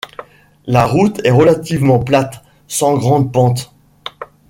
La route est relativement plate, sans grande pente.